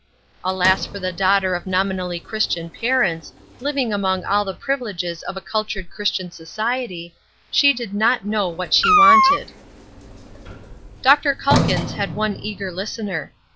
Alas for the daughter of nominally Christian parents, living among all the privileges of a cultured Christian society, she did not know what the wanted. Dr. Calkins had one eager listener.